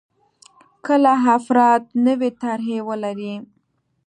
کله افراد نوې طرحې ولري.